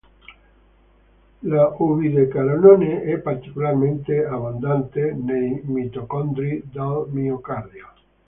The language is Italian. L'ubidecarenone è particolarmente abbondante nei mitocondri del miocardio.